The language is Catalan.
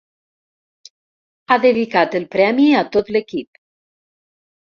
Ha dedicat el premi a tot l'equip.